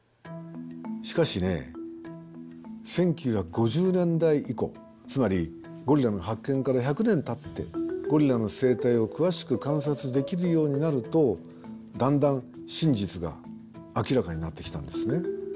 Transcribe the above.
しかしね１９５０年代以降つまりゴリラの発見から１００年たってゴリラの生態を詳しく観察できるようになるとだんだん真実が明らかになってきたんですね。